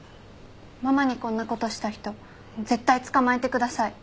ママにこんな事した人絶対捕まえてください。